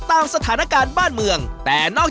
ตามสถานการณ์บ้านเมือง